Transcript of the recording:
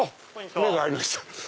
目が合いました。